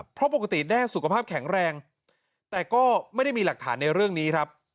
เพราะปกติแด้สุขภาพแข็งแรงแต่ก็ไม่ได้มีหลักฐานในเรื่องนี้ครับ